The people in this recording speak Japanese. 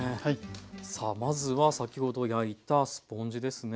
さあまずは先ほど焼いたスポンジですね。